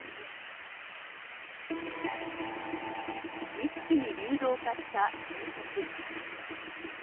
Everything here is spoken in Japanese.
一気に流動化した政局。